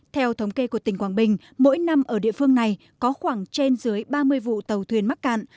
theo thống kê của tỉnh quảng bình mỗi năm ở địa phương này có khoảng trên dưới ba mươi vụ tàu thuyền mắc cạn